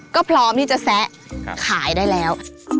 ก็พร้อมที่จะแซะขายได้แล้ว